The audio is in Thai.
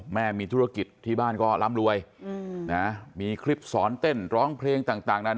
แม่มีธุรกิจที่บ้านก็ร่ำรวยมีคลิปสอนเต้นร้องเพลงต่างนานา